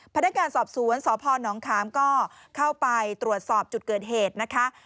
พนักงานสอบสวนสพนขามก็เข้าไปตรวจสอบจุดเกิดเหตุนะคะ